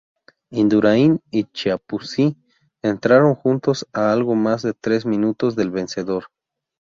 Indurain y Chiappucci entraron juntos, a algo más de tres minutos del vencedor.